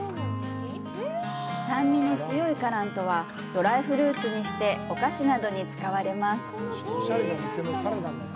酸味の強いカラントはドライフルーツにしてお菓子などに使われます。